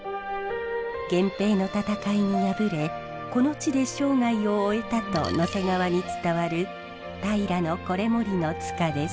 源平の戦いに敗れこの地で生涯を終えたと野迫川に伝わる平維盛の塚です。